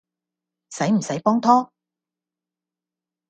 駛唔駛幫拖？